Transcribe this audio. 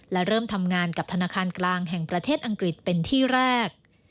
และเริ่มทำงานกับธนาคารกลางแห่งประเทศอังกฤษเป็นที่แรก